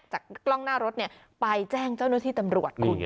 กล้องหน้ารถไปแจ้งเจ้าหน้าที่ตำรวจ